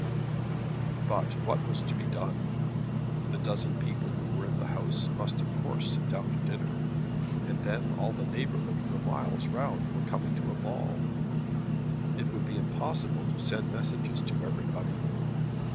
But what was to be done? The dozen people who were in the house must of course sit down to dinner. And then all the neighbourhood for miles round were coming to a ball. It would be impossible to send messages to everybody.